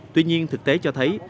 tuy nhiên thực tế cho thấy